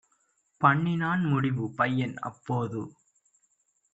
பண்ணினான் முடிவு! பையன் அப்போது